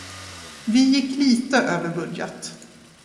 Vi gick lite över budget.